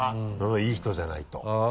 いい人じゃないと。